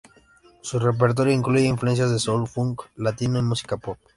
Su repertorio incluye influencias de Soul, Funk Latino y música Pop.